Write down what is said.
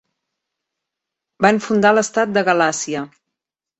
Van fundar l'estat de Galàcia.